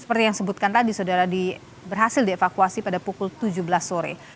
seperti yang disebutkan tadi saudara berhasil dievakuasi pada pukul tujuh belas sore